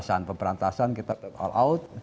selain pemberantasan kita tetap all out